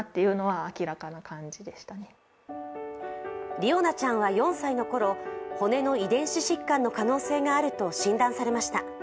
りおなちゃんは４歳のころ骨の遺伝子疾患の可能性があると診断されました。